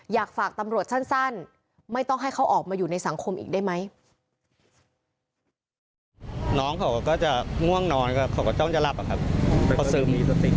อยากฝากตำรวจสั้นไม่ต้องให้เขาออกมาอยู่ในสังคมอีกได้ไหม